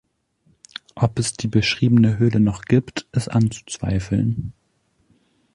Ob es die beschriebene Höhle noch gibt, ist anzuzweifeln.